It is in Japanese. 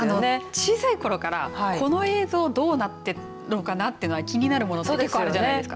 小さいころからこの映像はどうなっているのかなというのが気になるものって結構あるじゃないですか。